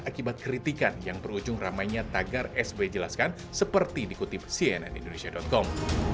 akibat kritikan yang berujung ramainya tagar sbi jelaskan seperti dikutip cnn indonesia com